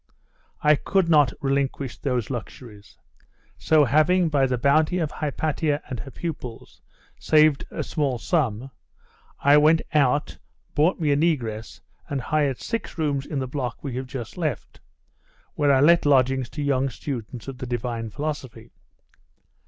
I could not relinquish those luxuries. So having, by the bounty of Hypatia and her pupils, saved a small suns, I went out bought me a negress, and hired six rooms in the block we have just left, where I let lodgings to young students of the Divine Philosophy.